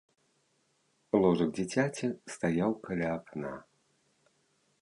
Ложак дзіцяці стаяў каля акна.